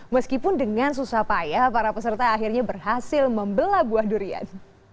meskipun dengan susah payah para peserta akhirnya berhasil membelah buah durian